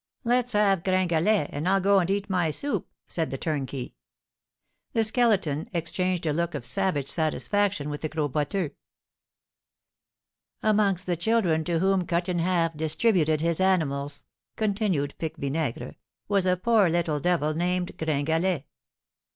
"Let's have Gringalet, and I'll go and eat my soup," said the turnkey. The Skeleton exchanged a look of savage satisfaction with the Gros Boiteux. "Amongst the children to whom Cut in Half distributed his animals," continued Pique Vinaigre, "was a poor little devil named Gringalet.